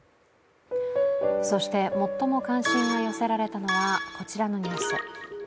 そして最も関心が寄せられたのはこちらのニュース。